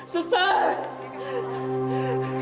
sampai sini aja pak